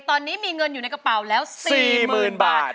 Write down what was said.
ตอนนี้มีเงินอยู่ในกระเป๋าแล้ว๔๐๐๐บาท